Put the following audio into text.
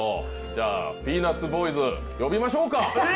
じゃあ、ピーナッツボーイズ呼びましょうか。